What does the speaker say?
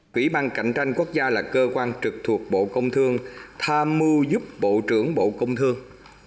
quỹ ban cạnh tranh quốc gia là cơ quan trực thuộc bộ công thương tham mưu giúp bộ trưởng bộ công thương